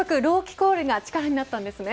コールが力になったんですね。